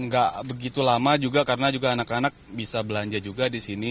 nggak begitu lama juga karena juga anak anak bisa belanja juga di sini